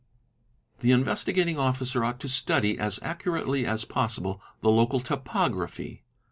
ORIENTATION it t . The Investigating Officer ought to study as accurately as possible the local topography.